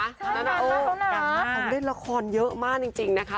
จังมากตัวเค้าเล่นละครเยอะมากจริงนะคะ